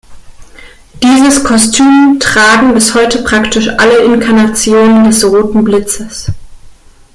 Dieses Kostüm tragen bis heute praktisch alle Inkarnationen des „Roten Blitzes“.